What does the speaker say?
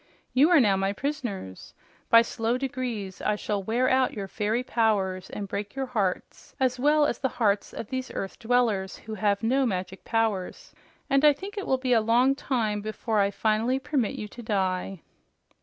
You are now my prisoners. By slow degrees I shall wear out your fairy powers and break your hearts, as well as the hearts of these earth dwellers who have no magic powers, and I think it will be a long time before I finally permit you to die."